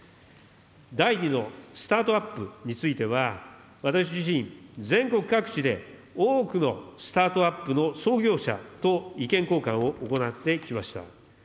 第２のスタートアップについては、私自身、全国各地で多くのスタートアップの創業者と意見交換を行ってきました。